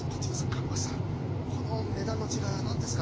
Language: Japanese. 「看護師さんこの値段の違いは何ですか？」